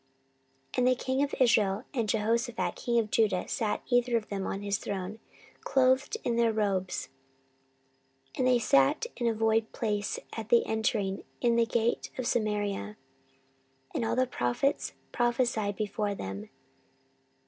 14:018:009 And the king of Israel and Jehoshaphat king of Judah sat either of them on his throne, clothed in their robes, and they sat in a void place at the entering in of the gate of Samaria; and all the prophets prophesied before them.